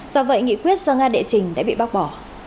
do vậy nghị quyết do nga đệ trình đã bị bác bỏ